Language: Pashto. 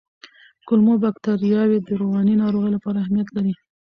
کولمو بکتریاوې د رواني ناروغیو لپاره اهمیت لري.